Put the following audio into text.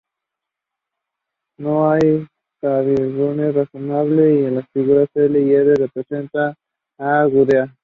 No hay certidumbre razonable de que las figuras L y R representen a Gudea.